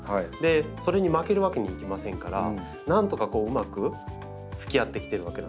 それに負けるわけにいきませんからなんとかうまくつきあってきてるわけなんですよ。